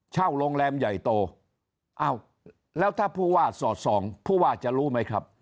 เช่าโรงแรมใหญ่โตอ้าวแล้วถ้าผู้ว่าสอดส่องผู้ว่าจะรู้ไหมครับ